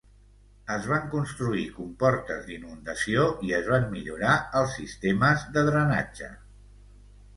Es van construir comportes d'inundació i es van millorar els sistemes de drenatge.